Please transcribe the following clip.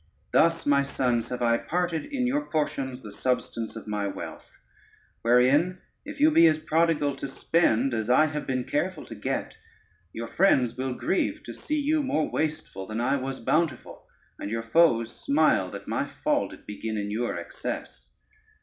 Thus, my sons, have I parted in your portions the substance of my wealth, wherein if you be as prodigal to spend as I have been careful to get, your friends will grieve to see you more wasteful than I was bountiful, and your foes smile that my fall did begin in your excess.